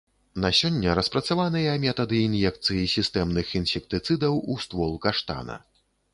На сёння распрацаваныя метады ін'екцыі сістэмных інсектыцыдаў у ствол каштана.